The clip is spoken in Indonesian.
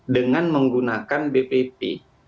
dengan menggunakan bpp